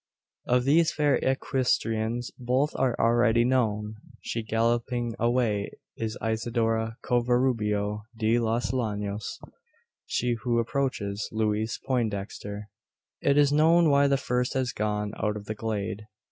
Of these fair equestrians both are already known. She galloping away is Isidora Covarubio de los Llanos; she who approaches, Louise Poindexter. It is known why the first has gone out of the glade.